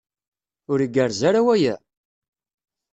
Ur igerrez ara waya?